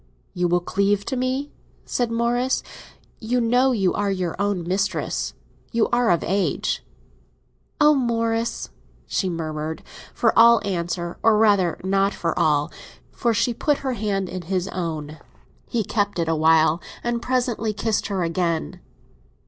"You will cleave to me?" said Morris. "You know you are your own mistress—you are of age." "Ah, Morris!" she murmured, for all answer. Or rather not for all; for she put her hand into his own. He kept it a while, and presently he kissed her again.